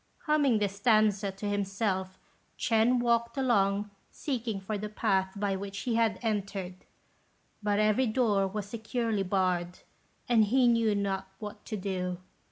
Humming this stanza to himself, Ch'ên walked along seeking for the path by which he had entered; but every door was securely barred, and he knew not what to do.